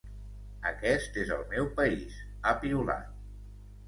Aquest és el meu país, ha piulat.